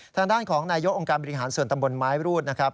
ทางด้านของนายกองค์การบริหารส่วนตำบลไม้รูดนะครับ